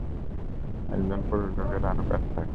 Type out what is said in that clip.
একজন প্রযোজকের আরও কাজ থাকে।